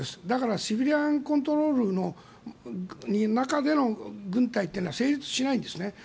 だからシビリアンコントロールの中での軍隊というのは成立しないんですね。